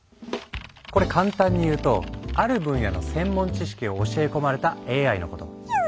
これ簡単に言うとある分野の専門知識を教え込まれたＡＩのこと。